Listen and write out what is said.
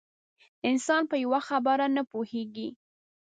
انسان په یوه خبره نه پوهېږي.